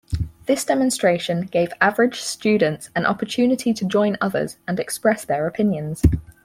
This demonstration gave average students an opportunity to join others and express their opinions.